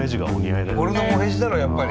俺のもへじだろやっぱり。